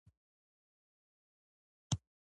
لومړی ملک وخندل، بيا ناستو کاريګرو خندا ورسره بدرګه کړه.